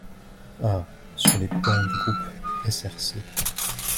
Ah sur les bancs du groupe SRC.